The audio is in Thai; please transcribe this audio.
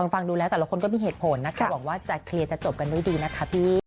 ฟังดูแล้วแต่ละคนก็มีเหตุผลนะคะหวังว่าจะเคลียร์จะจบกันด้วยดีนะคะพี่